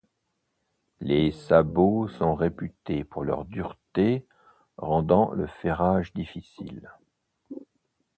Les sabots sont réputés pour leur dureté, rendant le ferrage difficile.